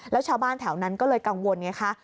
แล้วชาวบ้านแถวนั้นก็เลยกังวลไงคะ